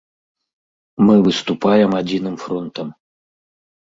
Мы выступаем адзіным фронтам.